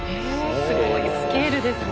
すごいスケールですね。